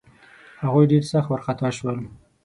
هغوی ډېر سخت وارخطا شول.